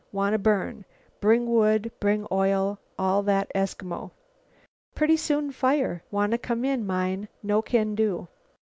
Wanna burn. Bring wood, bring oil, all that Eskimo. Pretty soon fire. Wanna come in mine. No can do.